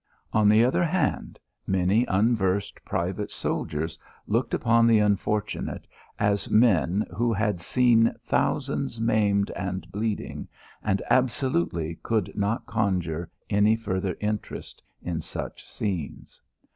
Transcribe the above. On the other hand, many unversed private soldiers looked upon the unfortunate as men who had seen thousands maimed and bleeding, and absolutely could not conjure any further interest in such scenes.